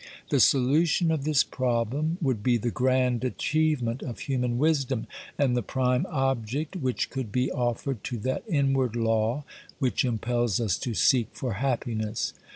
The solution of this problem would be the grand achievement of human wisdom, and the prime object which could be offered to that inward law which impels us to seek for happiness.